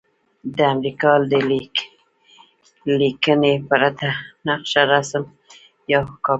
د امریکا د لیکنې پرته نقشه رسم یا کاپې کړئ.